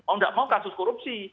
mau nggak mau kasus korupsi